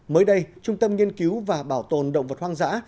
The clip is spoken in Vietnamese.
mới đây trung tâm nghiên cứu và bảo tồn động vật hoang dã